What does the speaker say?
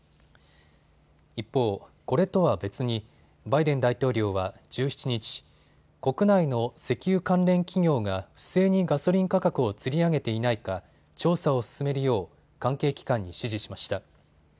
一方、これとは別にバイデン大統領は１７日、国内の石油関連企業が不正にガソリン価格をつり上げていないか調査を進めるよう関係機関に指示しました。